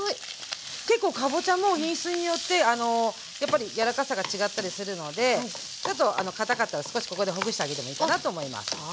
結構かぼちゃも品質によってやっぱりやわらかさが違ったりするのでちょっとかたかったら少しここでほぐしてあげてもいいかなと思います。